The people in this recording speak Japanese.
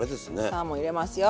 サーモン入れますよ。